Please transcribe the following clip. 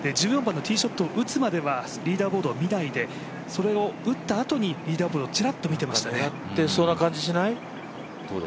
１４番のティーショットを打つ前はリーダーズボードを見ないで、それを打ったあとにリーダーズボードちらっと見てましたね。